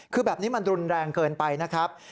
คือแบบนี้มันรุนแรงเกินไปนะครับ